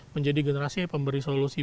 menjadi generasi pemberi solusi